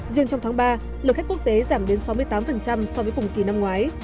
riêng trong tháng ba lượt khách quốc tế giảm đến sáu mươi tám so với cùng kỳ năm ngoái